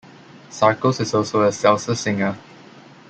Sarcos is also a salsa singer.